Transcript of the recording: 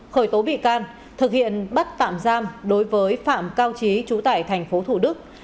khởi tố bị can thực hiện bắt tạm giam đối với phạm cao trí trú tại tp hcm